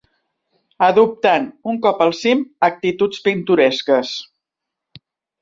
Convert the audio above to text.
Adoptant, un cop al cim, actituds pintoresques.